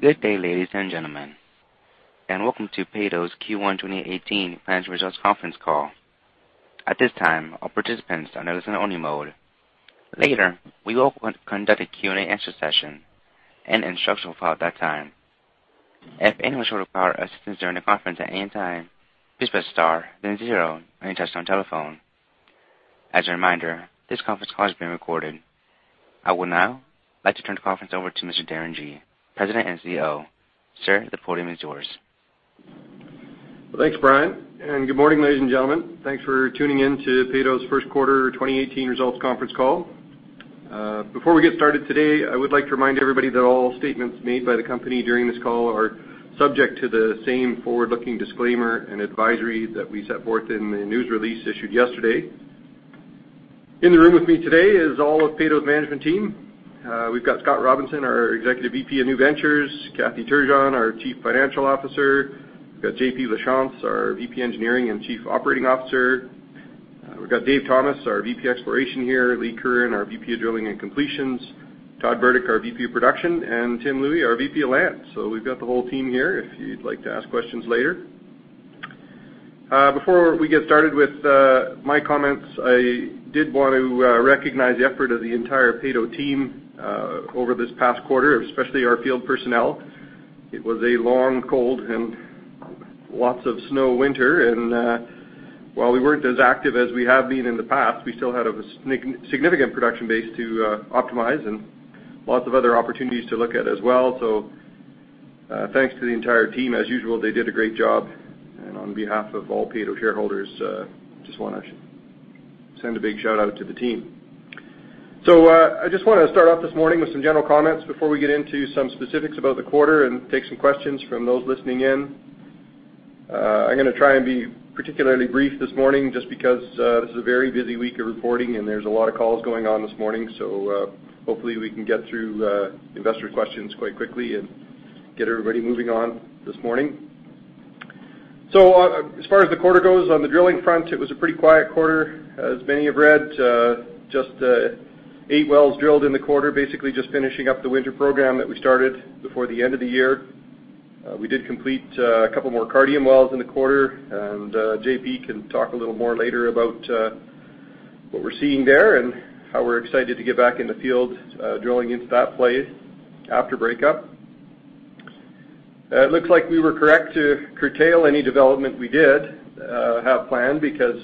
Good day, ladies and gentlemen. Welcome to Peyto's Q1 2018 Financial Results Conference Call. At this time, all participants are on listen-only mode. Later, we will conduct a Q&A answer session. Instruction will follow at that time. If anyone should require assistance during the conference at any time, please press star then zero on your touch-tone telephone. As a reminder, this conference call is being recorded. I will now like to turn the conference over to Mr. Darren Gee, President and CEO. Sir, the podium is yours. Thanks, Brian. Good morning, ladies and gentlemen. Thanks for tuning in to Peyto's first quarter 2018 results conference call. Before we get started today, I would like to remind everybody that all statements made by the company during this call are subject to the same forward-looking disclaimer and advisory that we set forth in the news release issued yesterday. In the room with me today is all of Peyto's management team. We've got Scott Robinson, our Executive VP of New Ventures, Kathy Turgeon, our Chief Financial Officer. We've got JP Lachance, our VP Engineering and Chief Operating Officer. We've got Dave Thomas, our VP Exploration here, Lee Curran, our VP of Drilling and Completions, Todd Burdick, our VP of Production, and Tim Louie, our VP of Land. We've got the whole team here if you'd like to ask questions later. Before we get started with my comments, I did want to recognize the effort of the entire Peyto team over this past quarter, especially our field personnel. It was a long, cold, and lots of snow winter. While we weren't as active as we have been in the past, we still had a significant production base to optimize and lots of other opportunities to look at as well. Thanks to the entire team. As usual, they did a great job, and on behalf of all Peyto shareholders, just want to send a big shout-out to the team. I just want to start off this morning with some general comments before we get into some specifics about the quarter and take some questions from those listening in. I'm going to try and be particularly brief this morning just because this is a very busy week of reporting, and there's a lot of calls going on this morning. Hopefully we can get through investor questions quite quickly and get everybody moving on this morning. As far as the quarter goes, on the drilling front, it was a pretty quiet quarter. As many have read, just eight wells drilled in the quarter, basically just finishing up the winter program that we started before the end of the year. We did complete a couple more Cardium wells in the quarter, and JP can talk a little more later about what we're seeing there and how we're excited to get back in the field drilling into that play after breakup. It looks like we were correct to curtail any development we did have planned because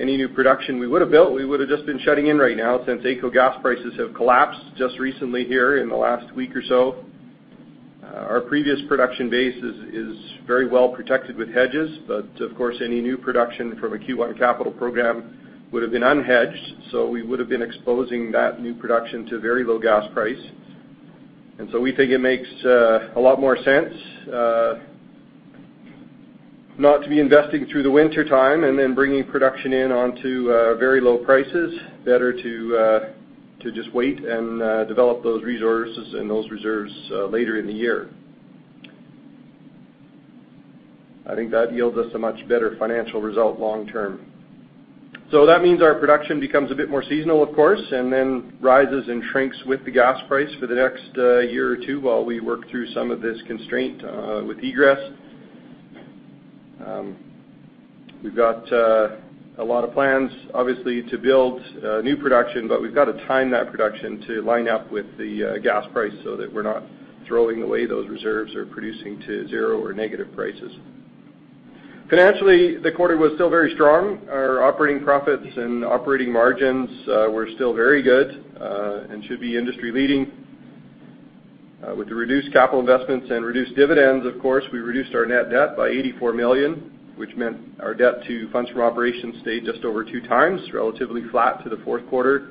any new production we would've built, we would've just been shutting in right now since AECO gas prices have collapsed just recently here in the last week or so. Our previous production base is very well protected with hedges, but of course, any new production from a Q1 capital program would've been unhedged, so we would've been exposing that new production to very low gas price. We think it makes a lot more sense not to be investing through the wintertime and then bringing production in onto very low prices. Better to just wait and develop those resources and those reserves later in the year. I think that yields us a much better financial result long term. That means our production becomes a bit more seasonal, of course, and then rises and shrinks with the gas price for the next year or two while we work through some of this constraint with egress. We've got a lot of plans, obviously, to build new production, we've got to time that production to line up with the gas price so that we're not throwing away those reserves or producing to zero or negative prices. Financially, the quarter was still very strong. Our operating profits and operating margins were still very good and should be industry leading. With the reduced capital investments and reduced dividends, of course, we reduced our net debt by 84 million, which meant our debt to funds from operations stayed just over two times, relatively flat to the fourth quarter,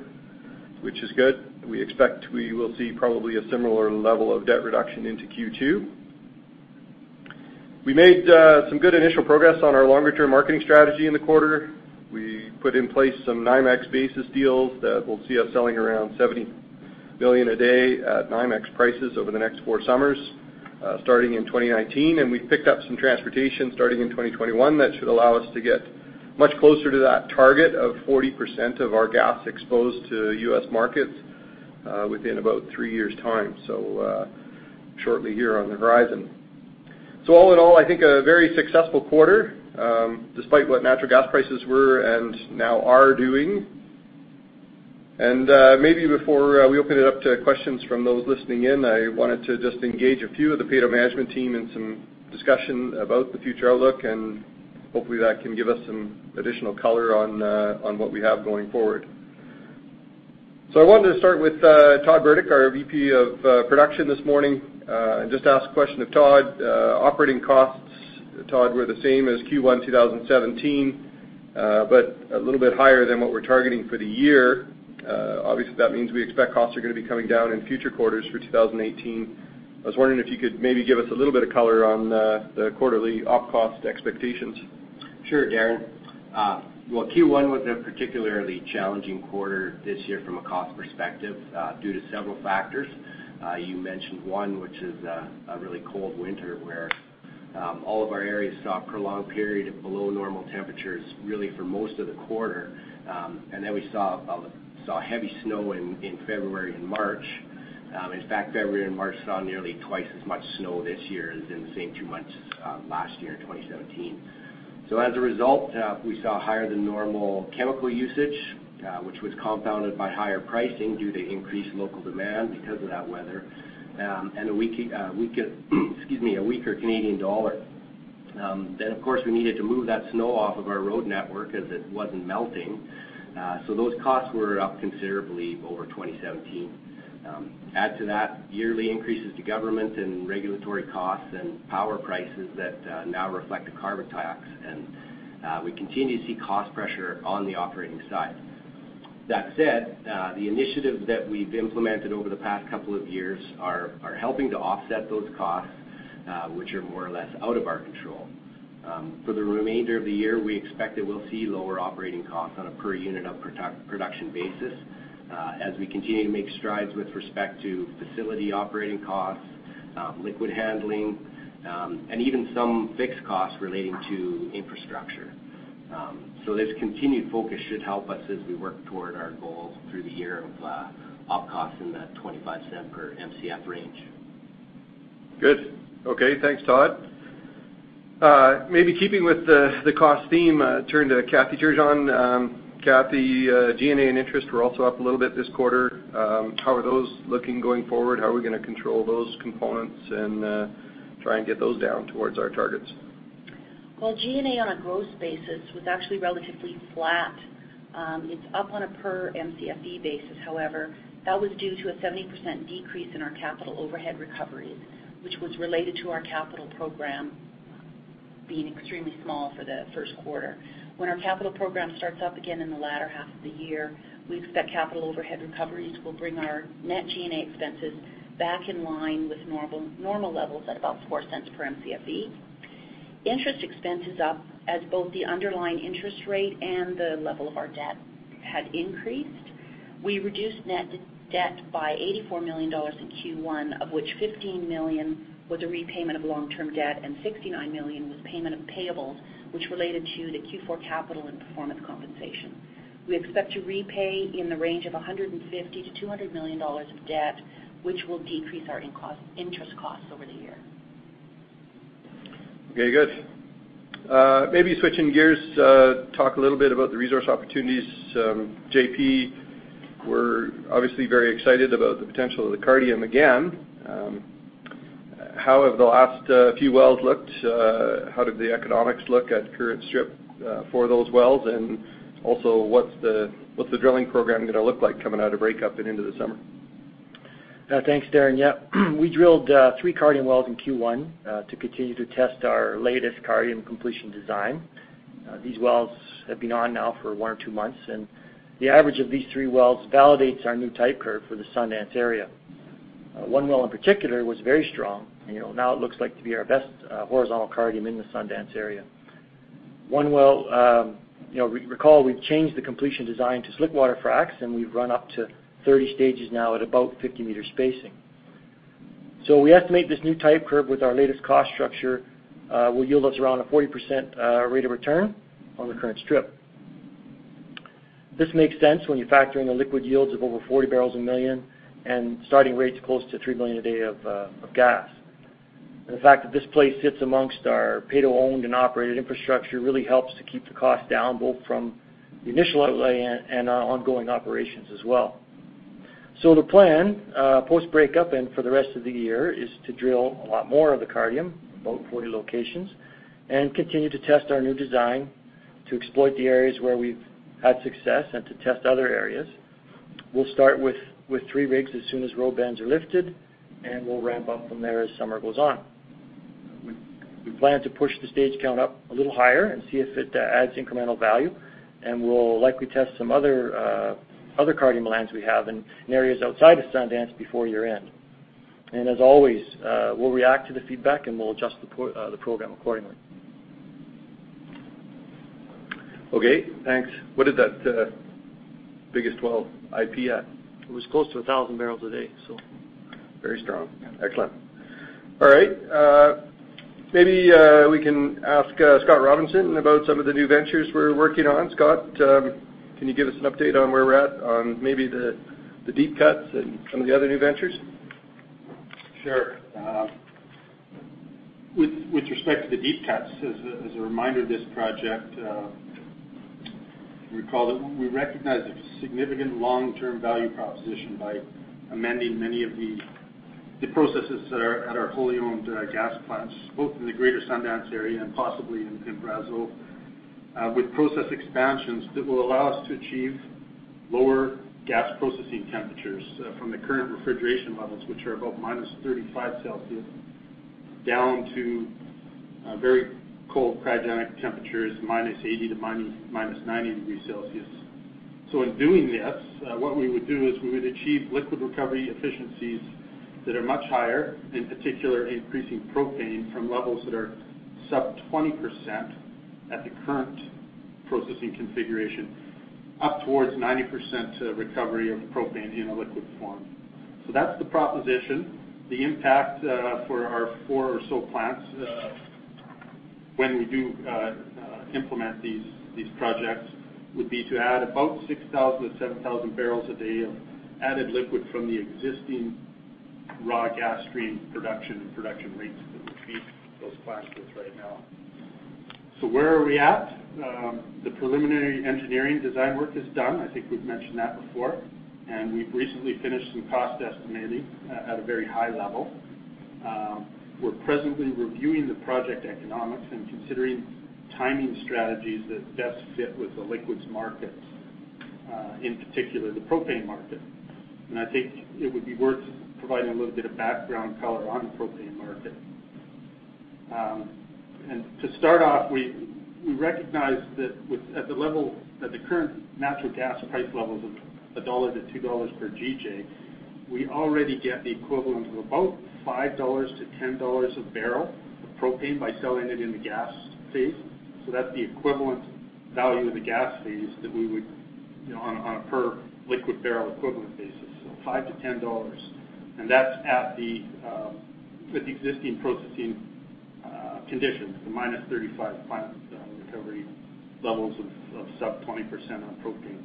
which is good. We expect we will see probably a similar level of debt reduction into Q2. We made some good initial progress on our longer-term marketing strategy in the quarter. We put in place some NYMEX basis deals that will see us selling around 70 million a day at NYMEX prices over the next four summers starting in 2019. We've picked up some transportation starting in 2021 that should allow us to get much closer to that target of 40% of our gas exposed to U.S. markets within about three years' time. Shortly here on the horizon. All in all, I think a very successful quarter, despite what natural gas prices were and now are doing. Maybe before we open it up to questions from those listening in, I wanted to just engage a few of the Peyto management team in some discussion about the future outlook, and hopefully that can give us some additional color on what we have going forward. I wanted to start with Todd Burdick, our Vice President of Production this morning, and just ask a question of Todd. Operating costs, Todd, were the same as Q1 2017, but a little bit higher than what we're targeting for the year. Obviously, that means we expect costs are going to be coming down in future quarters for 2018. I was wondering if you could maybe give us a little bit of color on the quarterly op cost expectations. Sure, Darren. Well, Q1 was a particularly challenging quarter this year from a cost perspective due to several factors. You mentioned one, which is a really cold winter where All of our areas saw a prolonged period of below-normal temperatures really for most of the quarter. We saw heavy snow in February and March. In fact, February and March saw nearly twice as much snow this year as in the same two months last year in 2017. As a result, we saw higher-than-normal chemical usage, which was compounded by higher pricing due to increased local demand because of that weather, and a weaker Canadian dollar. Of course, we needed to move that snow off of our road network as it wasn't melting. Those costs were up considerably over 2017. Add to that yearly increases to government and regulatory costs and power prices that now reflect the carbon tax, we continue to see cost pressure on the operating side. That said, the initiatives that we've implemented over the past couple of years are helping to offset those costs, which are more or less out of our control. For the remainder of the year, we expect that we'll see lower operating costs on a per-unit of production basis as we continue to make strides with respect to facility operating costs, liquid handling, and even some fixed costs relating to infrastructure. This continued focus should help us as we work toward our goals through the year of op costs in that 0.25 per Mcf range. Good. Okay. Thanks, Todd. Maybe keeping with the cost theme, turn to Kathy Turgeon. Kathy, G&A and interest were also up a little bit this quarter. How are those looking going forward? How are we going to control those components and try and get those down towards our targets? Well, G&A on a gross basis was actually relatively flat. It's up on a per Mcfe basis. That was due to a 70% decrease in our capital overhead recoveries, which was related to our capital program being extremely small for the first quarter. When our capital program starts up again in the latter half of the year, we expect capital overhead recoveries will bring our net G&A expenses back in line with normal levels at about 0.04 per Mcfe. Interest expense is up as both the underlying interest rate and the level of our debt had increased. We reduced net debt by 84 million dollars in Q1, of which 15 million was a repayment of long-term debt and 69 million was payment of payables, which related to the Q4 capital and performance compensation. We expect to repay in the range of 150 million-200 million dollars of debt, which will decrease our interest costs over the year. Okay, good. Maybe switching gears, talk a little bit about the resource opportunities. JP, we're obviously very excited about the potential of the Cardium again. How have the last few wells looked? How did the economics look at current strip for those wells? What's the drilling program going to look like coming out of breakup and into the summer? Thanks, Darren. Yep. We drilled three Cardium wells in Q1 to continue to test our latest Cardium completion design. These wells have been on now for one or two months, the average of these three wells validates our new type curve for the Sundance area. One well, in particular, was very strong. Now it looks like to be our best horizontal Cardium in the Sundance area. One well. Recall we've changed the completion design to slick-water fracs, and we've run up to 30 stages now at about 50-meter spacing. We estimate this new type curve with our latest cost structure will yield us around a 40% rate of return on the current strip. This makes sense when you factor in the liquid yields of over 40 barrels a million and starting rates close to three million a day of gas. The fact that this place sits amongst our Peyto owned and operated infrastructure really helps to keep the cost down, both from the initial outlay and our ongoing operations as well. The plan, post-breakup and for the rest of the year, is to drill a lot more of the Cardium, about 40 locations, and continue to test our new design to exploit the areas where we've had success and to test other areas. We will start with three rigs as soon as road bans are lifted, and we will ramp up from there as summer goes on. We plan to push the stage count up a little higher and see if it adds incremental value, and we will likely test some other Cardium lands we have in areas outside of Sundance before year-end. As always, we will react to the feedback, and we will adjust the program accordingly. Okay, thanks. What did that biggest well IP at? It was close to 1,000 barrels a day. Very strong. Excellent. All right. Maybe we can ask Scott Robinson about some of the new ventures we are working on. Scott, can you give us an update on where we are at on maybe the deep cut and some of the other new ventures? Sure. With respect to the deep cuts, as a reminder, this project, if you recall, that we recognized a significant long-term value proposition by amending many of the processes that are at our wholly owned gas plants, both in the greater Sundance area and possibly in Brazeau, with process expansions that will allow us to achieve lower gas processing temperatures from the current refrigeration levels, which are about -35 degrees Celsius, down to very cold cryogenic temperatures, -80 to -90 degrees Celsius. In doing this, what we would do is we would achieve liquid recovery efficiencies that are much higher, in particular, increasing propane from levels that are sub 20% at the current processing configuration up towards 90% recovery of propane in a liquid form. That's the proposition. The impact for our four or so plants, when we do implement these projects, would be to add about 6,000 to 7,000 barrels a day of added liquid from the existing raw gas stream production and production rates that would feed those plants with right now. Where are we at? The preliminary engineering design work is done. I think we've mentioned that before, and we've recently finished some cost estimating at a very high level. We're presently reviewing the project economics and considering timing strategies that best fit with the liquids market, in particular, the propane market. I think it would be worth providing a little bit of background color on the propane market. To start off, we recognize that at the current natural gas price levels of CAD 1 to 2 dollars per GJ, we already get the equivalent of about 5 dollars to 10 dollars a barrel of propane by selling it in the gas phase. That's the equivalent value of the gas phase on a per liquid barrel equivalent basis. 5 to 10 dollars. And that's with the existing processing conditions, the -35 plant recovery levels of sub 20% on propane.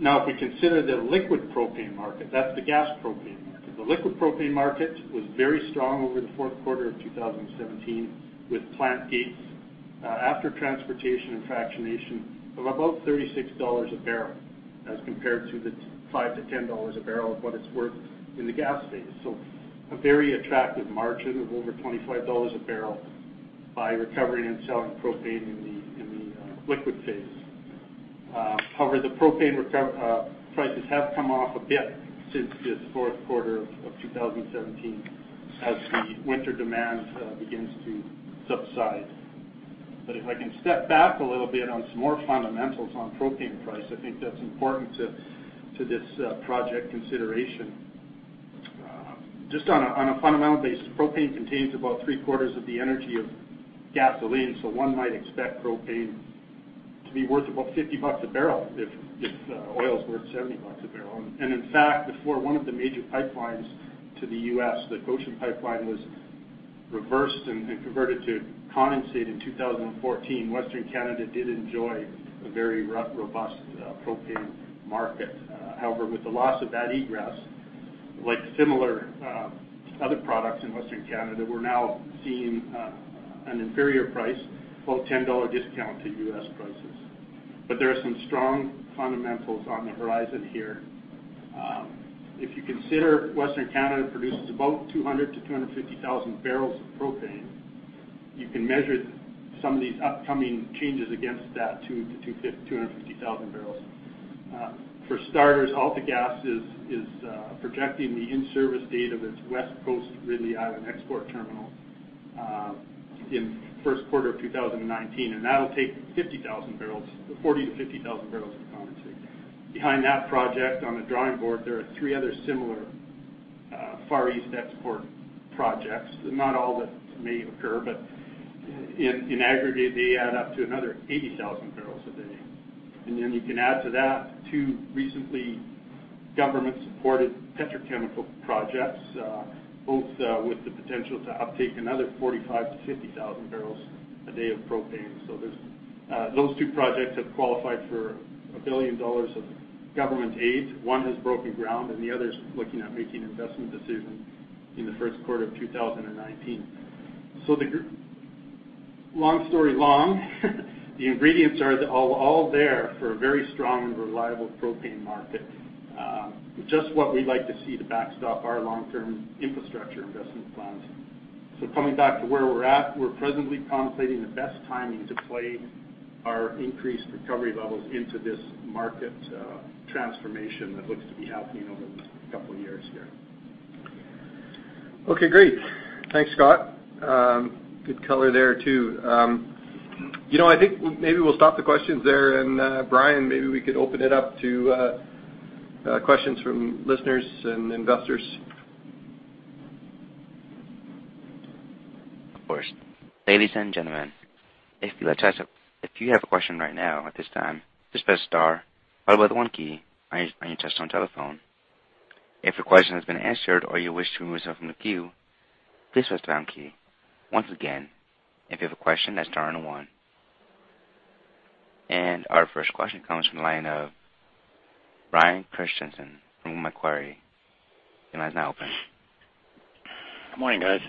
If we consider the liquid propane market, that's the gas propane market. The liquid propane market was very strong over the fourth quarter of 2017 with plant gates after transportation and fractionation of about 36 dollars a barrel as compared to the 5 to 10 dollars a barrel of what it's worth in the gas phase. A very attractive margin of over 25 dollars a barrel by recovering and selling propane in the liquid phase. However, the propane prices have come off a bit since the fourth quarter of 2017 as the winter demand begins to subside. If I can step back a little bit on some more fundamentals on propane price, I think that's important to this project consideration. Just on a fundamental basis, propane contains about three-quarters of the energy of gasoline, so one might expect propane to be worth about 50 bucks a barrel if oil's worth 70 bucks a barrel. In fact, before one of the major pipelines to the U.S., the Cochin Pipeline, was reversed and converted to condensate in 2014, Western Canada did enjoy a very robust propane market. With the loss of that egress, like similar other products in Western Canada, we're now seeing an inferior price, about 10 dollar discount to U.S. prices. There are some strong fundamentals on the horizon here. If you consider Western Canada produces about 200,000 to 250,000 barrels of propane, you can measure some of these upcoming changes against that 200,000 to 250,000 barrels. For starters, AltaGas is projecting the in-service date of its West Coast Ridley Island export terminal in the first quarter of 2019, that'll take 40,000 to 50,000 barrels of. Behind that project on the drawing board, there are three other similar Far East export projects. Not all that may occur, but in aggregate, they add up to another 80,000 barrels a day. You can add to that two recently government-supported petrochemical projects both with the potential to uptake another 45,000 to 50,000 barrels a day of propane. Those two projects have qualified for 1 billion dollars of government aid. One has broken ground, and the other's looking at making investment decisions in the first quarter of 2019. Long story long, the ingredients are all there for a very strong and reliable propane market. Just what we'd like to see to backstop our long-term infrastructure investment plans. Coming back to where we're at, we're presently contemplating the best timing to play our increased recovery levels into this market transformation that looks to be happening over the next couple of years here. Okay, great. Thanks, Scott. Good color there, too. I think maybe we'll stop the questions there and, Brian, maybe we could open it up to questions from listeners and investors. Of course. Ladies and gentlemen, if you have a question right now, at this time, just press star followed by the one key on your touchtone telephone. If your question has been answered or you wish to remove yourself from the queue, please press the pound key. Once again, if you have a question, that's star and one. Our first question comes from the line of Bryan Christensen from Macquarie. Your line's now open. Good morning, guys.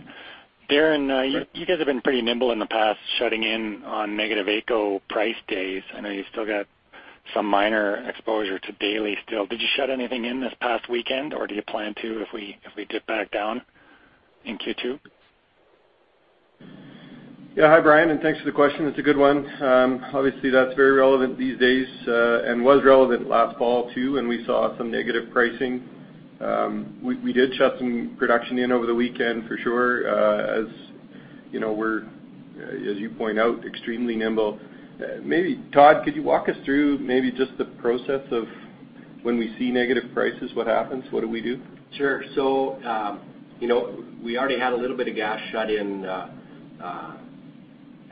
Darren, you guys have been pretty nimble in the past, shutting in on negative AECO price days. I know you've still got some minor exposure to daily still. Did you shut anything in this past weekend, or do you plan to if we dip back down in Q2? Yeah. Hi, Bryan, thanks for the question. It's a good one. Obviously, that's very relevant these days and was relevant last fall, too, when we saw some negative pricing. We did shut some production in over the weekend for sure as we're, as you point out, extremely nimble. Todd, could you walk us through maybe just the process of When we see negative prices, what happens? What do we do? We already had a little bit of gas shut in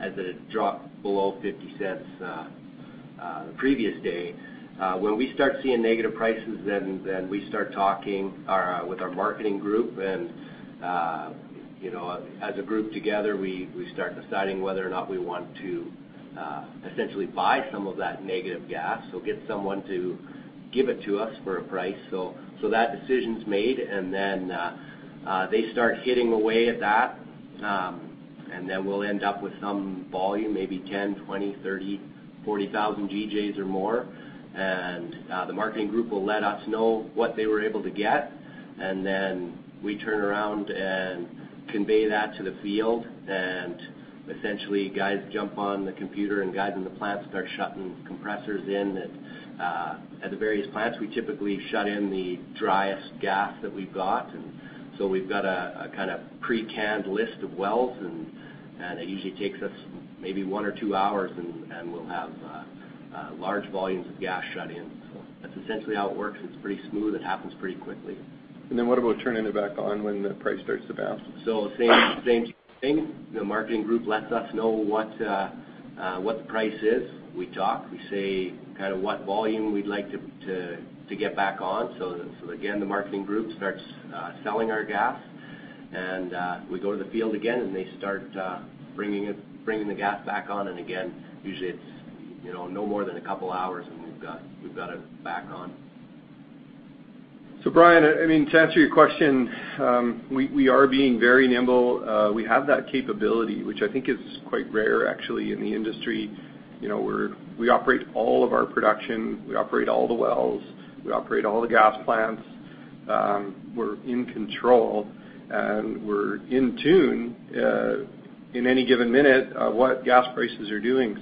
as it dropped below 0.50 the previous day. When we start seeing negative prices, we start talking with our marketing group. As a group together, we start deciding whether or not we want to essentially buy some of that negative gas, so get someone to give it to us for a price. That decision's made. They start getting away at that. We'll end up with some volume, maybe 10,000, 20,000, 30,000, 40,000 GJs or more. The marketing group will let us know what they were able to get. We turn around and convey that to the field. Essentially guys jump on the computer and guys in the plant start shutting compressors in at the various plants. We typically shut in the driest gas that we've got. We've got a kind of pre-canned list of wells. It usually takes us maybe one or two hours. We'll have large volumes of gas shut in. That's essentially how it works. It's pretty smooth. It happens pretty quickly. What about turning it back on when the price starts to bounce? Same thing. The marketing group lets us know what the price is. We talk, we say what volume we'd like to get back on. Again, the marketing group starts selling our gas, and we go to the field again, and they start bringing the gas back on, and again, usually it's no more than a couple of hours, and we've got it back on. Bryan, to answer your question, we are being very nimble. We have that capability, which I think is quite rare, actually, in the industry. We operate all of our production, we operate all the wells, we operate all the gas plants. We're in control, and we're in tune, in any given minute, what gas prices are doing.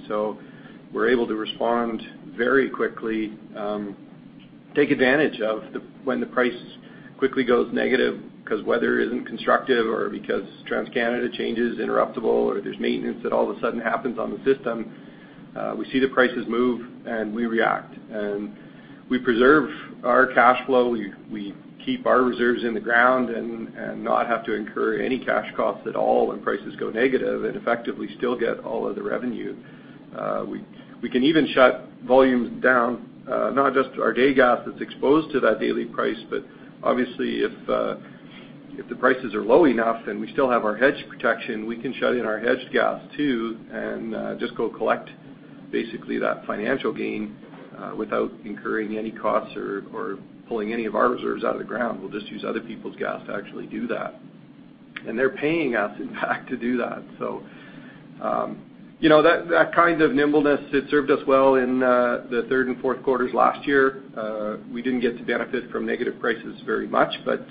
We're able to respond very quickly, take advantage of when the price quickly goes negative because weather isn't constructive or because TransCanada changes, interruptible, or there's maintenance that all of a sudden happens on the system. We see the prices move, and we react. We preserve our cash flow, we keep our reserves in the ground, and not have to incur any cash costs at all when prices go negative, and effectively still get all of the revenue. We can even shut volumes down, not just our day gas that's exposed to that daily price, but obviously if the prices are low enough, then we still have our hedge protection. We can shut in our hedged gas too, and just go collect basically that financial gain without incurring any costs or pulling any of our reserves out of the ground. We'll just use other people's gas to actually do that. They're paying us back to do that. That kind of nimbleness, it served us well in the third and fourth quarters last year. We didn't get to benefit from negative prices very much, but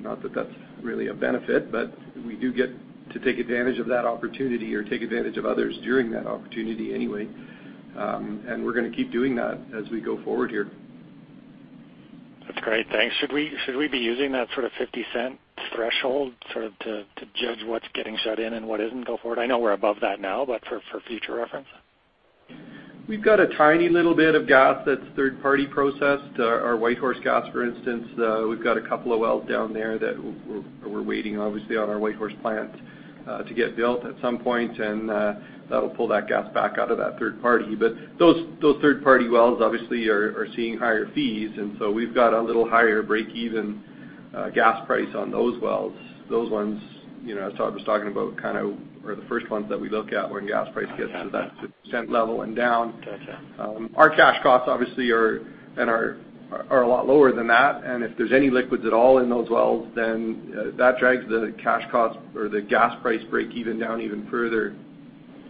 not that's really a benefit, but we do get to take advantage of that opportunity or take advantage of others during that opportunity anyway. We're going to keep doing that as we go forward here. That's great. Thanks. Should we be using that sort of 0.50 threshold to judge what's getting shut in and what isn't going forward? I know we're above that now, for future reference. We've got a tiny little bit of gas that's third party processed. Our Whitehorse gas, for instance, we've got a couple of wells down there that we're waiting, obviously, on our Whitehorse plant to get built at some point, that'll pull that gas back out of that third party. Those third-party wells obviously are seeing higher fees, we've got a little higher break-even gas price on those wells. Those ones, as Todd was talking about, are the first ones that we look at when gas price gets to that CAD 0.01 level and down. Got you. Our cash costs obviously are a lot lower than that, if there's any liquids at all in those wells, that drags the cash cost or the gas price break even down even further.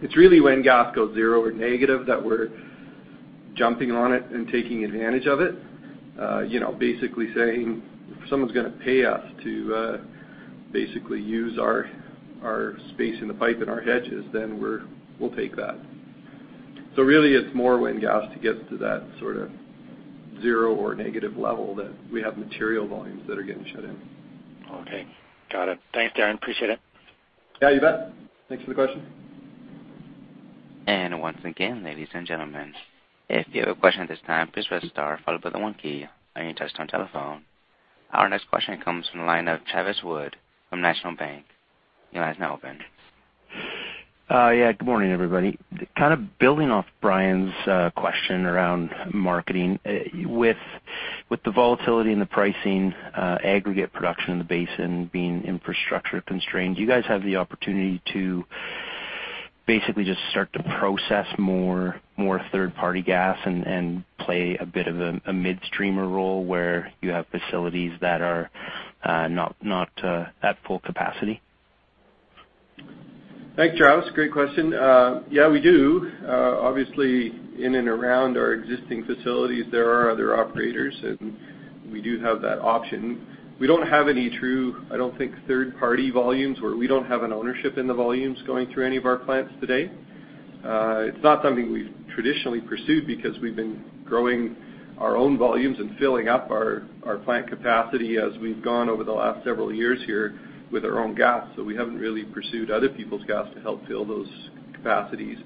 It's really when gas goes zero or negative that we're jumping on it and taking advantage of it. Basically saying, if someone's going to pay us to basically use our space in the pipe and our hedges, we'll take that. Really, it's more when gas gets to that sort of zero or negative level that we have material volumes that are getting shut in. Okay. Got it. Thanks, Darren. Appreciate it. Yeah, you bet. Thanks for the question. Once again, ladies and gentlemen, if you have a question at this time, please press star followed by the one key on your touchtone telephone. Our next question comes from the line of Travis Wood from National Bank. Your line is now open. Good morning, everybody. Kind of building off Bryan's question around marketing. With the volatility in the pricing aggregate production in the basin being infrastructure constrained, do you guys have the opportunity to basically just start to process more third-party gas and play a bit of a midstreamer role where you have facilities that are not at full capacity? Thanks, Travis. Great question. Yeah, we do. Obviously, in and around our existing facilities, there are other operators, and we do have that option. We don't have any true, I don't think, third-party volumes where we don't have an ownership in the volumes going through any of our plants today. It's not something we've traditionally pursued because we've been growing our own volumes and filling up our plant capacity as we've gone over the last several years here with our own gas. We haven't really pursued other people's gas to help fill those capacities.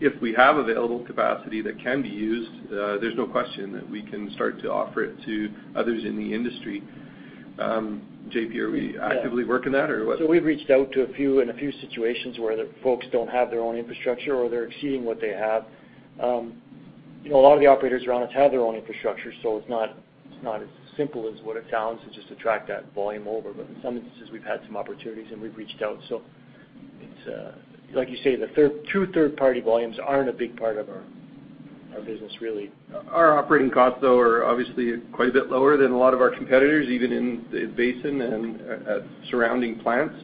If we have available capacity that can be used, there's no question that we can start to offer it to others in the industry. J.P., are we actively working that, or what? We've reached out to a few in a few situations where the folks don't have their own infrastructure, or they're exceeding what they have. A lot of the operators around us have their own infrastructure, so it's not as simple as what it sounds to just attract that volume over. In some instances, we've had some opportunities, and we've reached out. It's like you say, the true third-party volumes aren't a big part of our business, really. Our operating costs, though, are obviously quite a bit lower than a lot of our competitors, even in the basin and at surrounding plants.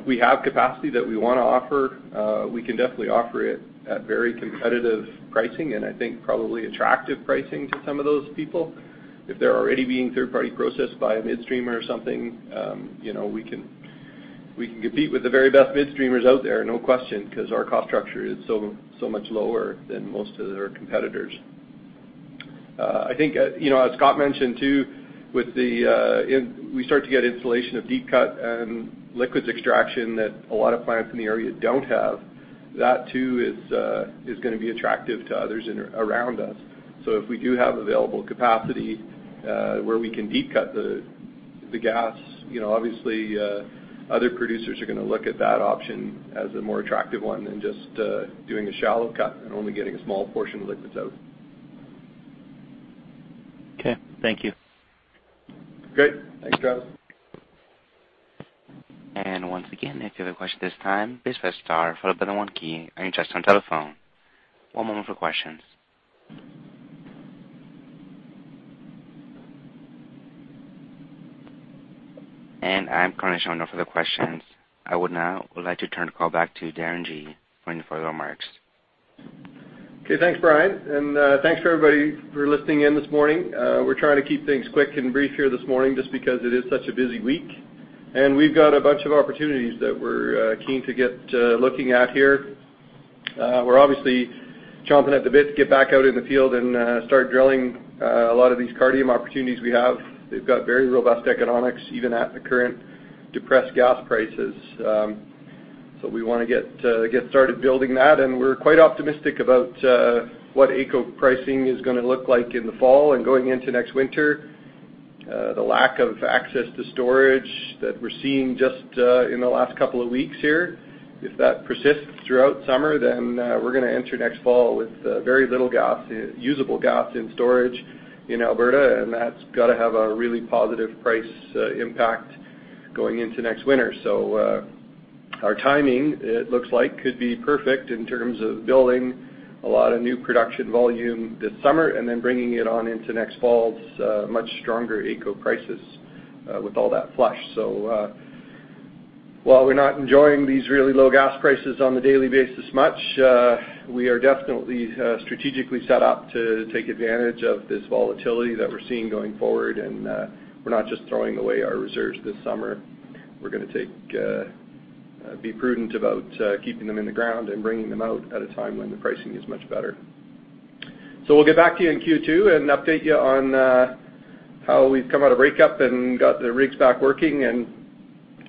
If we have capacity that we want to offer, we can definitely offer it at very competitive pricing and I think probably attractive pricing to some of those people. If they're already being third-party processed by a midstreamer or something, we can compete with the very best midstreamers out there, no question, because our cost structure is so much lower than most of their competitors. I think, as Scott mentioned, too, we start to get installation of deep cut and liquids extraction that a lot of plants in the area don't have. That, too, is going to be attractive to others around us. If we do have available capacity, where we can deep cut the gas, obviously, other producers are going to look at that option as a more attractive one than just doing a shallow cut and only getting a small portion of liquids out. Okay. Thank you. Great. Thanks, Travis. Once again, if you have a question this time, please press star followed by the one key on your touch-tone telephone. One moment for questions. I'm currently showing no further questions. I would now like to turn the call back to Darren Gee for any further remarks. Okay. Thanks, Brian. Thanks for everybody for listening in this morning. We're trying to keep things quick and brief here this morning just because it is such a busy week. We've got a bunch of opportunities that we're keen to get looking at here. We're obviously chomping at the bit to get back out in the field and start drilling a lot of these Cardium opportunities we have. They've got very robust economics, even at the current depressed gas prices. We want to get started building that, and we're quite optimistic about what AECO pricing is going to look like in the fall and going into next winter. The lack of access to storage that we're seeing just in the last couple of weeks here, if that persists throughout summer, we're going to enter next fall with very little usable gas in storage in Alberta, and that's got to have a really positive price impact going into next winter. Our timing, it looks like, could be perfect in terms of building a lot of new production volume this summer and then bringing it on into next fall's much stronger AECO prices with all that flush. While we're not enjoying these really low gas prices on the daily basis much, we are definitely strategically set up to take advantage of this volatility that we're seeing going forward. We're not just throwing away our reserves this summer. We're going to be prudent about keeping them in the ground and bringing them out at a time when the pricing is much better. We'll get back to you in Q2 and update you on how we've come out of breakup and got the rigs back working and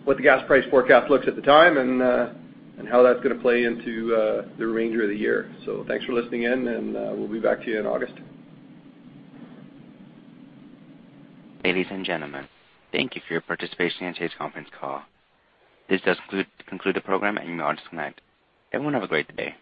what the gas price forecast looks at the time and how that's going to play into the remainder of the year. Thanks for listening in, and we'll be back to you in August. Ladies and gentlemen, thank you for your participation in today's conference call. This does conclude the program, and you may disconnect. Everyone have a great day.